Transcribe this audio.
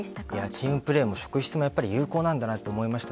チームプレー職質も有効なんだなと思いました。